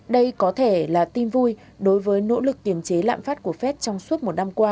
đây có thể là tin vui đối với nỗ lực kiềm chế lạm phát của fed